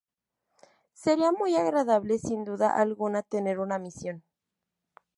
Sería muy agradable sin duda alguna, tener una misión.